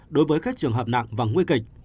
đối với các trường hợp nặng và nguy kịch